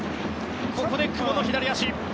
ここで久保の左足。